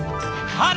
春！